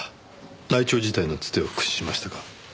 内調時代のつてを駆使しましたか？